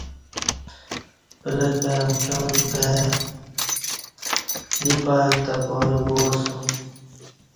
پلکہ امکیاں گائ دی پارک تہ پارہ گواسوم